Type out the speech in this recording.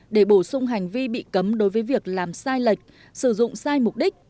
để bổ sung hành vi bị cấm đối với việc làm sai lệch sử dụng sai mục đích